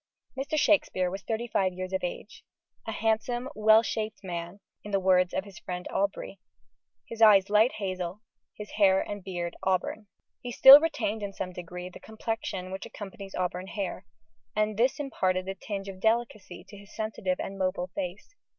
Mr. Shakespeare was thirty five years of age, "a handsome, well shap't man," in the words of his friend Aubrey, his eyes light hazel, his hair and beard auburn. He still retained, in some degree, the complexion which accompanies auburn hair, and this imparted a tinge of delicacy to his sensitive and mobile face.